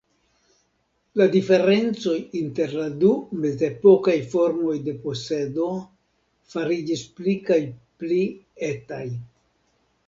La diferencoj inter la du mezepokaj formoj de posedo fariĝis pli kaj pli etaj.